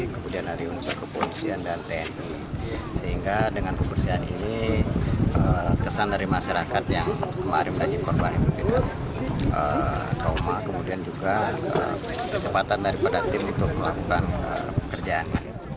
kepolisian dan pekerjaan jembatan melakukan pekerjaan